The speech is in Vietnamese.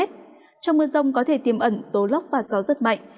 trong mưa rông có thể tiêm ẩn tố lóc và gió rất mạnh